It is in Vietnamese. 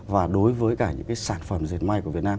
và đối với cả những cái sản phẩm dệt may của việt nam